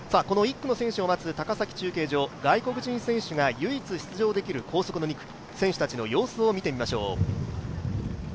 １区の選手を待つ高崎中継所、外国人選手が唯一出場できる高速の２区、選手たちの様子を見ていきましょう。